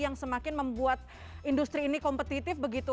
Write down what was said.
yang semakin membuat industri ini kompetitif begitu